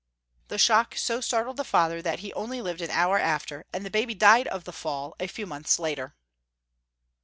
The shock so startled the father that he only lived an hour after, and the baby died of the faJl a few months later.